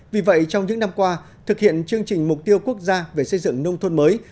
vì vậy trong những năm qua thực hiện chương trình mục tiêu quốc gia về xây dựng nông thôn mới